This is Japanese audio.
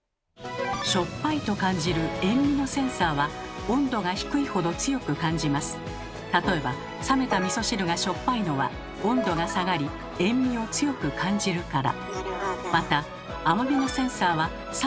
しょっぱいと感じる例えば冷めたみそ汁がしょっぱいのは温度が下がり塩味を強く感じるから。